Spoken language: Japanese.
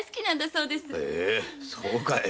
そうかい。